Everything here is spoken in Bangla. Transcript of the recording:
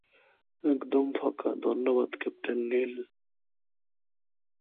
একদম ফাঁকা, ধন্যবাদ, ক্যাপ্টেন নিল।